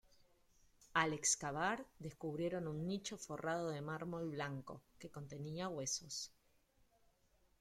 Al excavar descubrieron un nicho forrado de mármol blanco, que contenía huesos.